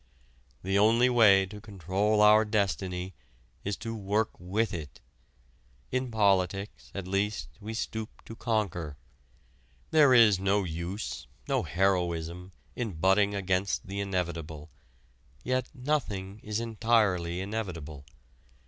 The only way to control our destiny is to work with it. In politics, at least, we stoop to conquer. There is no use, no heroism, in butting against the inevitable, yet nothing is entirely inevitable.